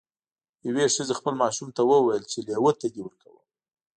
یوې ښځې خپل ماشوم ته وویل چې لیوه ته دې ورکوم.